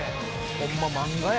ホンマ漫画や」